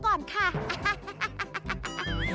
เจ้าแจ๊กริมเจ้า